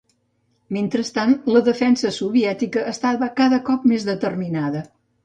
Mentrestant, la defensa soviètica estava cada cop més determinada.